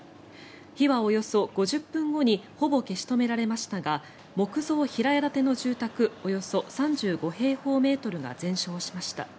火はおよそ５０分後にほぼ消し止められましたが木造平屋建ての住宅およそ３５平方メートルが全焼しました。